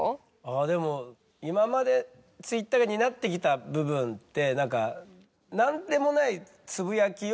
でも今までＴｗｉｔｔｅｒが担ってきた部分って何か何でもない。